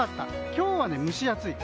今日は蒸し暑い。